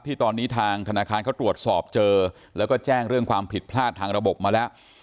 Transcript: ที่ตอนนี้ทางธนาคารเขาตรวจสอบเจอแล้วก็แจ้งเรื่องความผิดพลาดทางระบบมาแล้ว